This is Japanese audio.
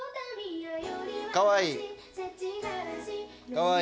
かわいい。